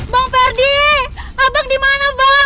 bang ferdi abang dimana bang